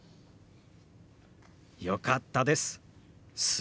よかったです。